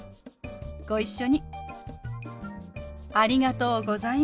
ご一緒に。